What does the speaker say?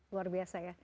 luar biasa ya